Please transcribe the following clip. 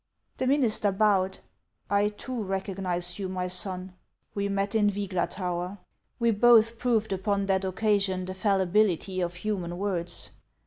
The minister bowed. " I too recognize you, my son ; we met in Vygla tower. We both proved upon that occasion the fallibility of human words.